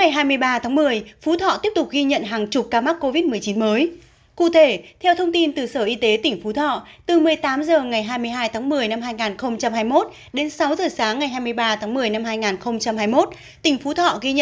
hãy đăng ký kênh để ủng hộ kênh của chúng mình nhé